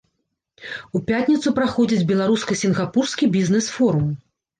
У пятніцу праходзіць беларуска-сінгапурскі бізнэс-форум.